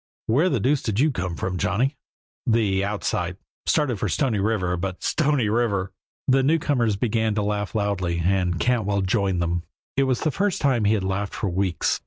"Where the deuce did you come from, Johnny?" "The 'outside.' Started for Stony River, but " "Stony River!" The newcomers began to laugh loudly and Cantwell joined them. It was the first time he had laughed for weeks.